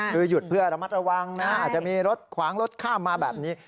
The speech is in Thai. คือหยุดเพื่อระมัดระวังนะอาจจะมีรถขวางรถข้ามมาแบบนี้